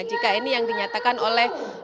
jika ini yang dinyatakan oleh